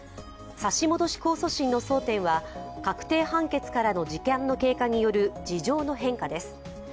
差し戻し控訴審の争点は、確定判決からの時間の経過による事情の変化です。